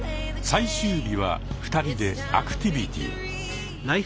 最終日は２人でアクティビティ。